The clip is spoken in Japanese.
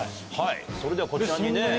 はいそれではこちらにね。